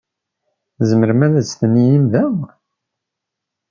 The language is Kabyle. Tzemrem ad testenyim da?